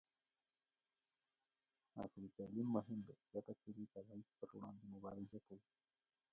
عصري تعلیم مهم دی ځکه چې د تبعیض پر وړاندې مبارزه کوي.